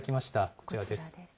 こちらです。